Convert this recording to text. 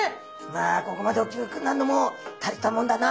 まあここまで大きくなるのも大したもんだな。